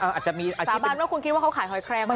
สามารถว่าคุณคิดว่าเขาขายหอยแคลงหอยแมงผู้